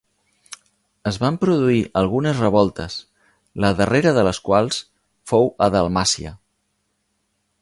Es van produir algunes revoltes, la darrera de les quals fou a Dalmàcia.